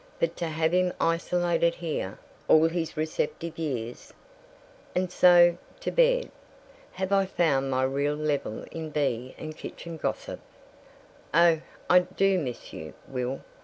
But to have him isolated here all his receptive years "And so to bed. "Have I found my real level in Bea and kitchen gossip? "Oh, I do miss you, Will.